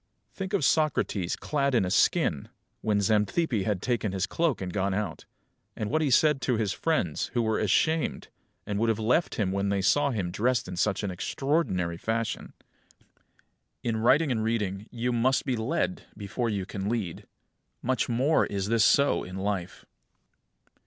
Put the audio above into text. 28. Think of Socrates clad in a skin, when Xanthippe had taken his cloak and gone out; and what he said to his friends, who were ashamed, and would have left him when they saw him dressed in such an extraordinary fashion. 29. In writing and reading you must be led before you can lead. Much more is this so in life.